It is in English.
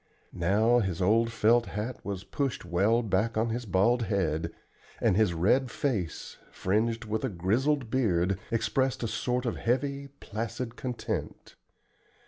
Now his old felt hat was pushed well back on his bald head, and his red face, fringed with a grizzled beard, expressed a sort of heavy, placid content.